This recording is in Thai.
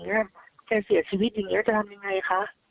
แกเสียชีวิตอย่างนี้จะทำยังไงคะ